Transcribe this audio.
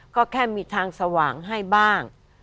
ก็แค่มีทางสว่างให้บ้าง